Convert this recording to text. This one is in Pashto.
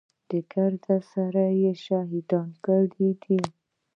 ګرد سره يې شهيدان کړي دي.